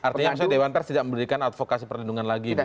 artinya maksudnya dewan pers tidak memberikan advokasi perlindungan lagi